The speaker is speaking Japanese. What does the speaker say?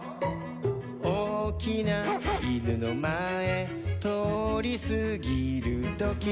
「おおきないぬのまえとおりすぎるとき」